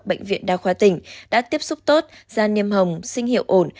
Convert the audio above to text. bệnh viện đa khoa tỉnh đã tiếp xúc tốt da niêm hồng sinh hiệu ổn